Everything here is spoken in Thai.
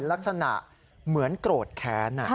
ลักษณะเหมือนโกรธแค้น